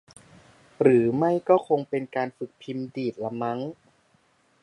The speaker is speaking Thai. หรือไม่ก็คงเป็นการฝึกพิมพ์ดีดละมั้ง